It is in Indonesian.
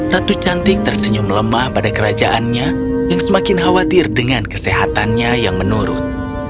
ratu cantik tersenyum lemah pada kerajaannya yang semakin khawatir dengan kesehatannya yang menurun